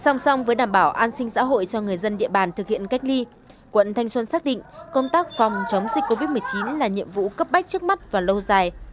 song song với đảm bảo an sinh xã hội cho người dân địa bàn thực hiện cách ly quận thanh xuân xác định công tác phòng chống dịch covid một mươi chín là nhiệm vụ cấp bách trước mắt và lâu dài